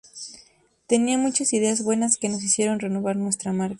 Tenía muchas ideas buenas que nos hicieron renovar nuestra marca.